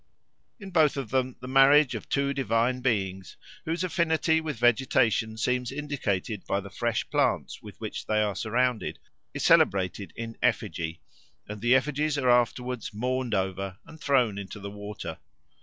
In both of them the marriage of two divine beings, whose affinity with vegetation seems indicated by the fresh plants with which they are surrounded, is celebrated in effigy, and the effigies are afterwards mourned over and thrown into the water.